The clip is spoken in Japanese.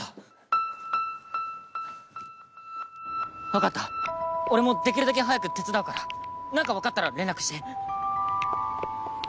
⁉分かった俺もできるだけ早く手伝うから何か分かったら連絡して！